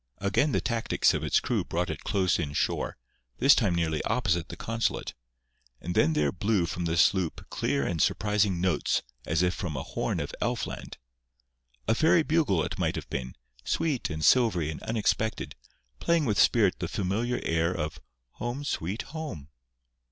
Again the tactics of its crew brought it close in shore, this time nearly opposite the consulate; and then there blew from the sloop clear and surprising notes as if from a horn of elfland. A fairy bugle it might have been, sweet and silvery and unexpected, playing with spirit the familiar air of "Home, Sweet Home."